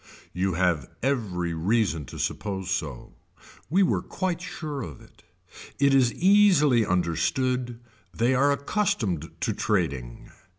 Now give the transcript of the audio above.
You have every reason to suppose so. We were quite sure of it. It is easily understood they are accustomed to trading.